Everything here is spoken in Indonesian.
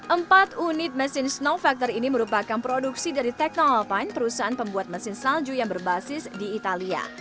empat unit mesin snow factor ini merupakan produksi dari technoloppine perusahaan pembuat mesin salju yang berbasis di italia